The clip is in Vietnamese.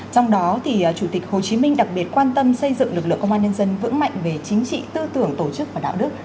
trong đó chủ tịch hồ chí minh đặc biệt quan tâm xây dựng lực lượng công an nhân dân vững mạnh về chính trị tư tưởng tổ chức và đạo đức